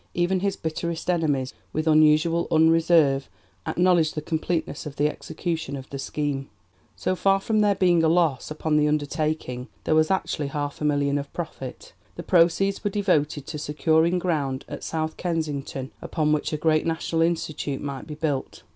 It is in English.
Even his bitterest enemies, with unusual unreserve, acknowledged the completeness of the execution of the scheme." So far from there being a loss upon the undertaking there was actually half a million of profit. The proceeds were devoted to securing ground at South Kensington upon which a great National Institute might be built.